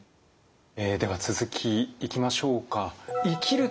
えでは続きいきましょうか。